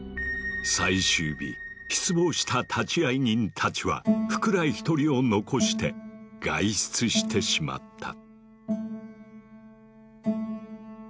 失望した立会人たちは福来一人を残して外出してしまった。